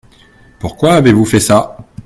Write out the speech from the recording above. Pourquoi avez-vous fait ça ?